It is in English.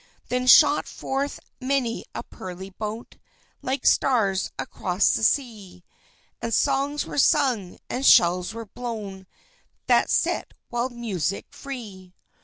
Then shot forth many a pearly boat, Like stars, across the sea; And songs were sung, and shells were blown That set wild music free.